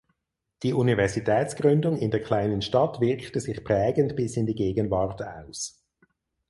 Die Universitätsgründung in der kleinen Stadt wirkte sich prägend bis in die Gegenwart aus.